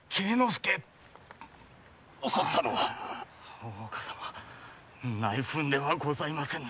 襲ったのは⁉大岡様内紛ではございませぬ。